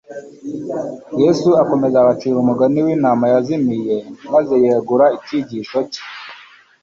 Yesu akomeza abacira umugani w'intama yazimiye maze yagura icyigisho cye